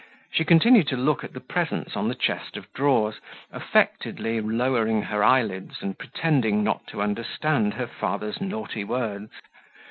She continued to look at the presents on the chest of drawers, affectedly lowering her eyelids and pretending not to understand her father's naughty words.